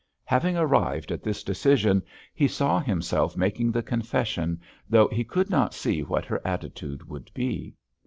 Having arrived at this decision, he saw himself making the confession, though he could not see what her attitude would be.